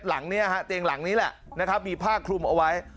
หลังเนี่ยฮะเตียงหลังนี้แหละนะครับมีผ้าคลุมเอาไว้